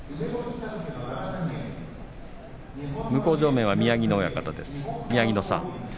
向正面は宮城野親方です。